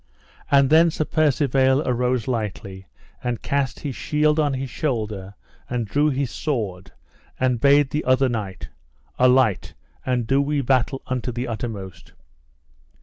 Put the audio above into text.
And then Sir Percivale arose lightly, and cast his shield on his shoulder and drew his sword, and bade the other knight: Alight, and do we battle unto the uttermost.